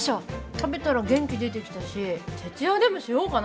食べたら元気出てきたし徹夜でもしようかなぁ。